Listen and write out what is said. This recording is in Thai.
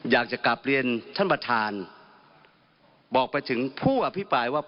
อยากจะกลับเรียนท่านประธานบอกไปถึงผู้อภิปรายว่า